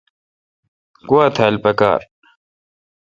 گوا تھال پکار۔